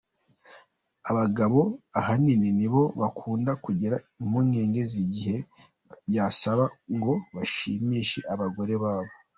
Abagabo ahanini, nibo bakunda kugira impungenge z’igihe byasaba ngo bashimishe abagore babo.